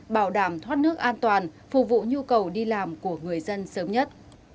bảo đảm thoát nước an toàn phục vụ nhu cầu đi làm của người dân sớm nhất